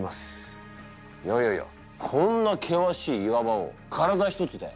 いやいやいやこんな険しい岩場を体ひとつで！？